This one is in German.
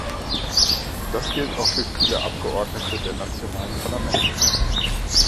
Das gilt auch für viele Abgeordnete der nationalen Parlamente.